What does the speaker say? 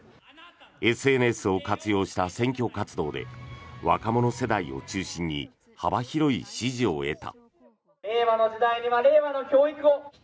ＳＮＳを活用した選挙活動で若者世代を中心に幅広い支持を得た。